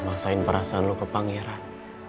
masain perasaan lo ke pangeran